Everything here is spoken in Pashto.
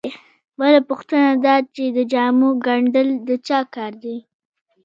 بله پوښتنه دا چې د جامو ګنډل د چا کار دی